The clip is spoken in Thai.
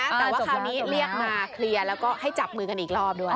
แต่ว่าคราวนี้เรียกมาเคลียร์แล้วก็ให้จับมือกันอีกรอบด้วย